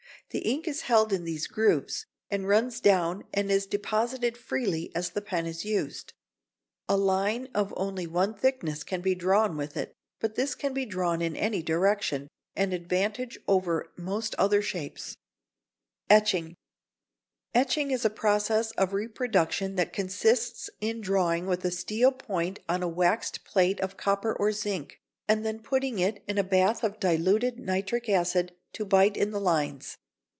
The ink is held in these grooves, and runs down and is deposited freely as the pen is used. A line of only one thickness can be drawn with it, but this can be drawn in any direction, an advantage over most other shapes. [Sidenote: Etching.] Etching is a process of reproduction that consists in drawing with a steel point on a waxed plate of copper or zinc, and then putting it in a bath of diluted nitric acid to bite in the lines.